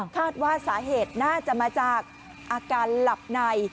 คาดว่าสาเหตุน่าจะมาจากอาการหลับใน